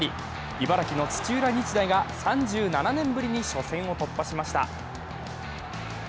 茨城の土浦日大が３７年ぶりに初戦を突破しました。